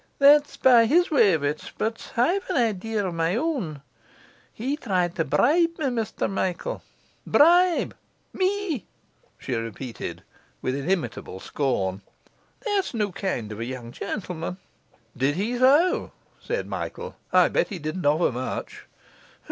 'That's by his way of it; but I've an idee of my own. He tried to bribe me, Mr Michael. Bribe me!' she repeated, with inimitable scorn. 'That's no' kind of a young gentleman.' 'Did he so?' said Michael. 'I bet he didn't offer much.